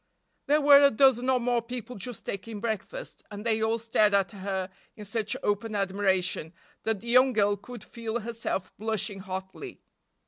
There were a dozen or more people just taking breakfast, and they all stared at her in such open admiration that the young girl could feel herself blushing hotly.